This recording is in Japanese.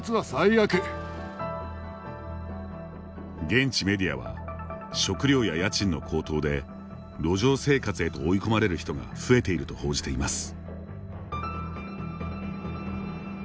現地メディアは食料や家賃の高騰で路上生活へと追い込まれる人が増えていると報じています。